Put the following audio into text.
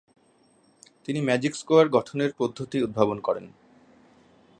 তিনি magic square গঠনের পদ্ধতি উদ্ভাবন করেন।